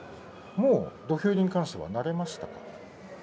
土俵入りに関してはもう慣れましたか？